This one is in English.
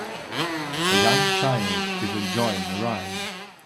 A young child is enjoying a ride.